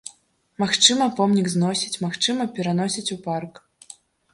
Магчыма, помнік зносяць, магчыма, пераносяць у парк.